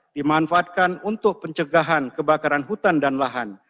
dimanfaatkan untuk pencegahan kebakaran hutan dan lahan